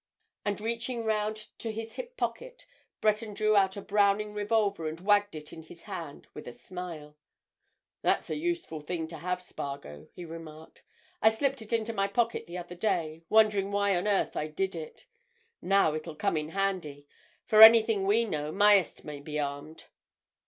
And reaching round to his hip pocket Breton drew out a Browning revolver and wagged it in his hand with a smile. "That's a useful thing to have, Spargo," he remarked. "I slipped it into my pocket the other day, wondering why on earth I did it. Now it'll come in handy. For anything we know Myerst may be armed."